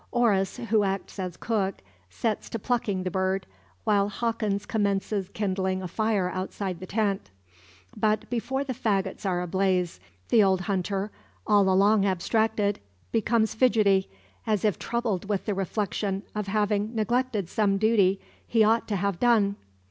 Oris, who acts as cook, sets to plucking the bird, while Hawkins commences kindling a fire outside the tent. But before the fagots are ablaze, the old hunter, all along abstracted, becomes fidgetty, as if troubled with the reflection of having neglected some duty he ought to have done.